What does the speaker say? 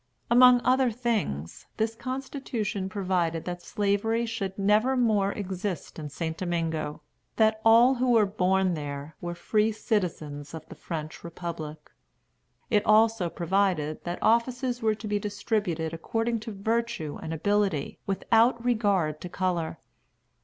Among other things, this constitution provided that Slavery should never more exist in St. Domingo; that all who were born there were free citizens of the French republic. It also provided that offices were to be distributed according to virtue and ability, without regard to color.